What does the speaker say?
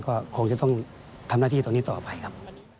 ก็คงจะต้องทำหน้าที่ตรงนี้ต่อไปครับ